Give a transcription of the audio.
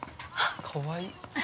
かわいい。